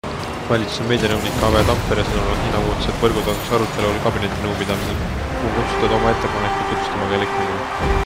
Valitsuse meedianõuniku Ave Tampere sõnul on hinnamuutused võrgutasus arutelu all kabinetinõupidamisel, kuhu on kutsutud oma ettepanekuid tutvustama ka Elektrilevi.